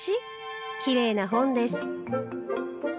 きれいな本です」